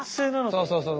そうそうそう。